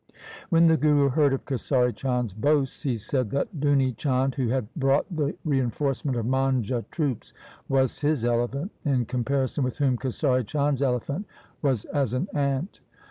When the Guru heard of Kesari Chand's boasts he said that Duni Chand, who had brought the reinforcement of Manjha troops, was his elephant, in comparison with whom Kesari Chand's elephant was as an ant.